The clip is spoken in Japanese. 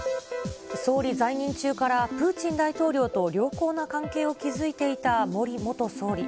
総理在任中からプーチン大統領と良好な関係を築いていた森元総理。